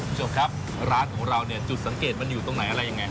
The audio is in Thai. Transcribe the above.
ครับผมชอบครับร้านของเราจุดสังเกตมันอยู่ตรงไหนอะไรยังไง